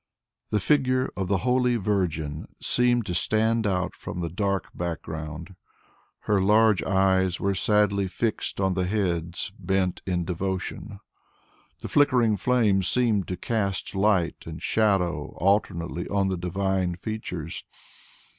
The figure of the Holy Virgin seemed to stand out from the dark background; her large eyes were sadly fixed on the heads bent in devotion; the flickering flame seemed to cast light and shadow alternately on the divine features.